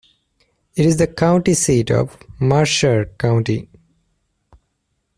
It is the county seat of Mercer County.